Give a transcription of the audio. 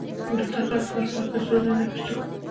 د تخار په فرخار کې د سرو زرو نښې شته.